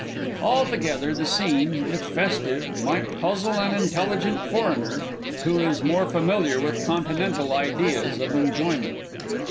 Altogether, the scene, if festive, might puzzle an Intelligent Foreigner who is more familiar with Continental ideas of enjoyment.